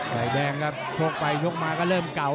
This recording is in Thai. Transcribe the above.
ฝ่ายแดงครับชกไปชกมาก็เริ่มเก่า